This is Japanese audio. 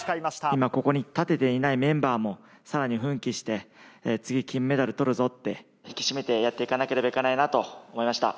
今ここに立てていないメンバーも、さらに奮起して、次、金メダルとるぞって、引き締めてやっていかなければならないなと思いました。